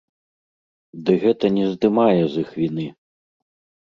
Ды гэта не здымае з іх віны.